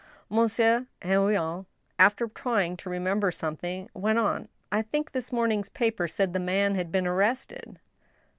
Monsieur Henrion, after trying to remember something, went on :" I think this morning's paper said the man had been arrested."